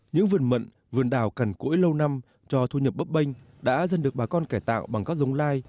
những vườn mận vườn đào cằn cỗi lâu năm cho thu nhập bấp bênh đã dân được bà con kẻ tạo bằng các giống lai